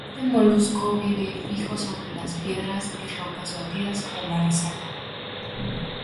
Este molusco vive fijo sobre las piedras y rocas batidas por la resaca.